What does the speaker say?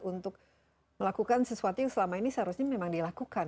untuk melakukan sesuatu yang selama ini seharusnya memang dilakukan